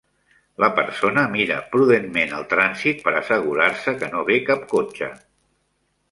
La persona mira prudentment el trànsit per assegurar-se que no ve cap cotxe.